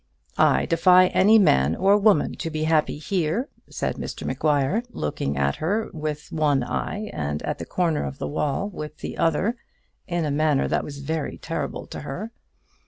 "I defy any man or woman to be happy here," said Mr Maguire, looking at her with one eye and at the corner of the wall with the other in a manner that was very terrible to her.